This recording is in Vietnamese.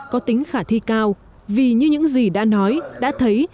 có tính khả thi cao vì như những gì đã nói đã thấy